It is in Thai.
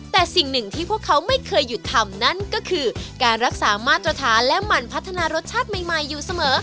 แต่สิ่งหนึ่งที่พวกเขาไม่เคยหยุดทำนั่นก็คือการรักษามาตรฐานและหมั่นพัฒนารสชาติใหม่อยู่เสมอ